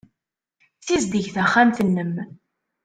Ssizdeg taxxamt-nnem.